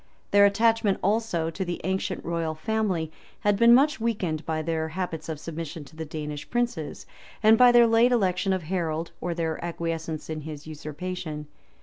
Their attachment also to the ancient royal family had been much weakened by their habits of submission to the Danish princes, and by their late election of Harold or their acquiescence in his usurpation.